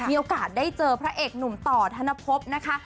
มีโอกาสได้เจอพระเอกหนุ่มต่อธนภพนะคะ